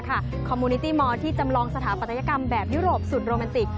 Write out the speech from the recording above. คอมมูนิตี้มอร์ที่จำลองสถาปัตยกรรมแบบยุโรปสุดโรแมนติก